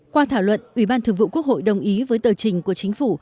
qua thảo luận ủy ban thường vụ quốc hội đồng ý với tờ trình của chính phủ